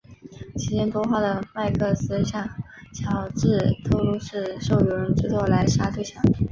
期间多话的麦克斯向乔治透露是受友人之托来杀对象。